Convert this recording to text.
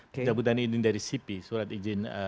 pencabutan izin dari sipi surat izin